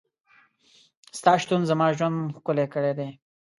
ستا شتون زما ژوند ښکلی کړی دی.